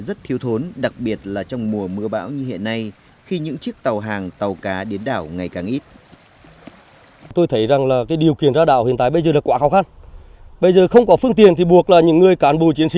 tôi rất thiếu thốn đặc biệt là trong mùa mưa bão như hiện nay khi những chiếc tàu hàng tàu cá đến đảo ngày càng ít